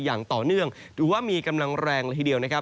อย่างต่อเนื่องหรือว่ามีกำลังแรงหละทีเดียว